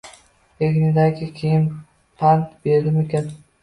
Egnidagi kiyimi pand berdimikin